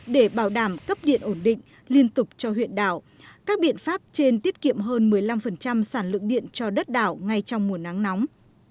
để bảo đảm cấp điện ổn định liên tục cho huyện đảo các biện pháp trên tiết kiệm hơn một mươi năm sản lượng điện cho đất đảo ngay trong mùa nắng nóng